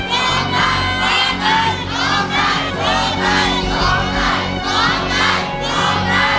ร้องได้